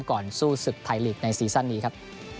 ก่อนสู้ศึกไทยลีกในซีซั่นนี้ครับ